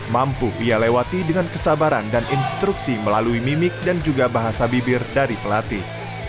mampu ia lewati dengan kesabaran dan instruksi melalui mimik dan juga bahasa bibir dari pelatih